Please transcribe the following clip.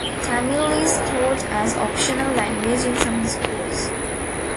Tamil is taught as optional language in some schools.